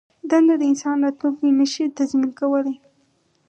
دنده د انسان راتلوونکی نه شي تضمین کولای.